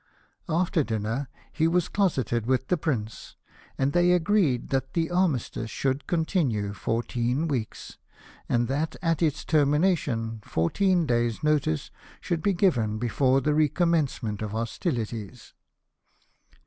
After dinner he was closeted with the Prince, and they agreed that the armistice should continue fourteen weeks ; and that, at its termination, fourteen days' notice should be given before the recommencement of hostilities.